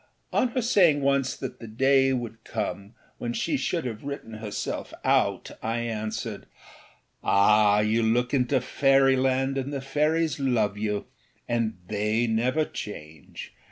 On her saying once that the day would come when she should have written herself out I answered: âAh, you look into fairyland, and the fairies love you, and they never change.